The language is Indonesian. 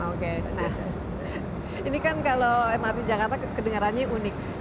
oke nah ini kan kalau mrt jakarta kedengarannya unik